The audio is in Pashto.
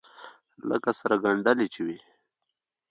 لکه سره گنډلې چې وي.